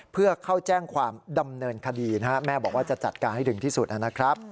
เพื่อเข้าแจ้งความดำเนินคดีนะฮะแม่บอกว่าจะจัดการให้ถึงที่สุดนะครับ